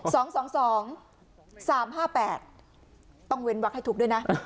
สองสองสามห้าแปดต้องเว้นวักให้ถูกด้วยนะ